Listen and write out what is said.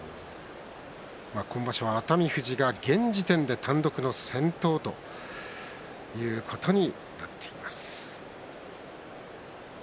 今場所は熱海富士が現時点で単独の先頭ということになっています。